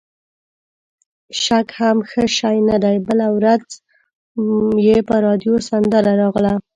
شک هم ښه شی نه دی، بله ورځ یې په راډیو سندره راغله.